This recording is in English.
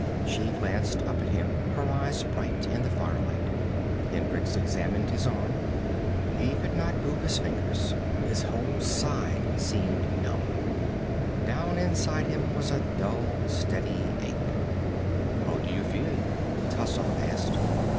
She glanced up at him, her eyes bright in the fire light. Hendricks examined his arm. He could not move his fingers. His whole side seemed numb. Down inside him was a dull steady ache. "How do you feel?" Tasso asked.